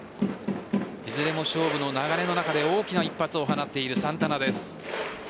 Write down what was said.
いずれも勝負の流れの中で大きな一発を放っているサンタナです。